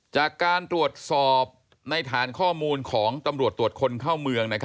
จากการตรวจสอบในฐานข้อมูลของตำรวจตรวจคนเข้าเมือง